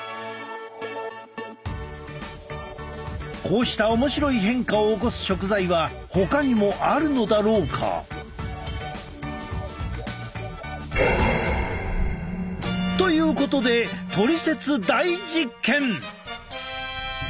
こうした面白い変化を起こす食材はほかにもあるのだろうか。ということでトリセツ大実験！！